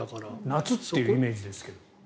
夏というイメージですけど。